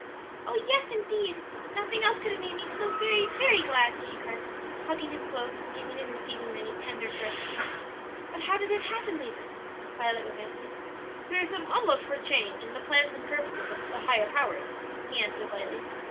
"Oh, yes, indeed; nothing else could have made me so very, very glad!" she cried, hugging him close, and giving and receiving many tender caresses. "But how did it happen. Levis?" Violet was asking. "Through some unlooked for change in the plans and purposes of the higher powers," he answered, lightly.